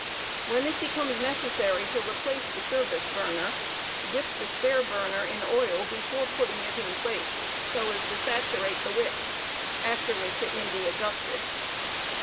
When it Incomes necessary to replace the service burner, dip the spare burner in oil before putting it in place, so as to saturate the wicks, after which it may be adjusted.